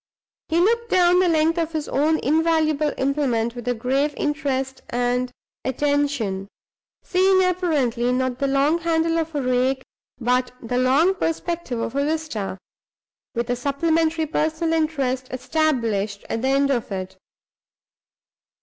He looked down the length of his own invaluable implement, with a grave interest and attention, seeing, apparently, not the long handle of a rake, but the long perspective of a vista, with a supplementary personal interest established at the end of it.